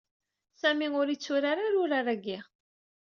Sami ur itturar-ara urar-agi.